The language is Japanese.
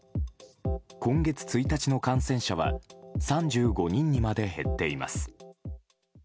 今月１日の感染者は３５人にまで減っています。